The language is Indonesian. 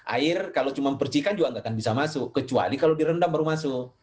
air kalau cuma percikan juga nggak akan bisa masuk kecuali kalau direndam baru masuk